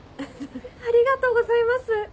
ありがとうございます！